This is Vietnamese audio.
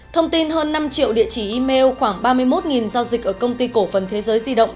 thông tin hơn năm triệu địa chỉ email khoảng ba mươi một giao dịch ở công ty cổ phần thế giới di động